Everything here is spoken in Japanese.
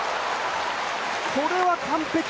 これは、完璧。